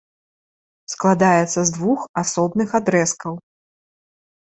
Складаецца з двух асобных адрэзкаў.